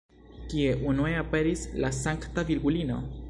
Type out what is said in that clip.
Kie unue aperis la Sankta Virgulino?